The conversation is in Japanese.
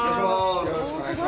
よろしくお願いします。